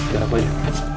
biar aku aja